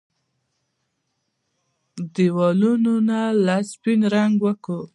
ديوالونو له سپين رنګ ورکړه